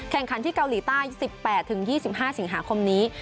แข่งขันที่เกาหลีใต้๑๘๒๕สิงหาคมนี้